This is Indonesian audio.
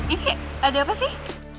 ini ada apa sih